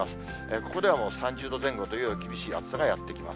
ここではもう３０度前後という厳しい暑さがやって来ます。